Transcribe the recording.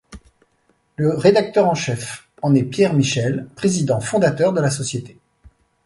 Le rédacteur en chef en est Pierre Michel, président fondateur de la Société.